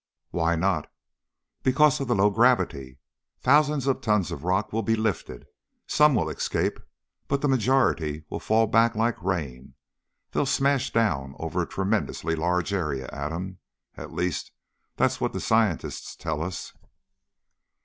"Why not?" "Because of the low gravity. Thousands of tons of rock will be lifted. Some will escape but the majority will fall back like rain. They'll smash down over a tremendously large area, Adam. At least that's what the scientists tell us."